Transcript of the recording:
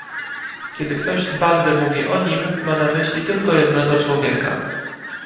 "Kiedy ktoś z bandy mówi o „nim“, ma na myśli tylko jednego człowieka."